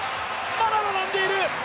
まだ並んでいる！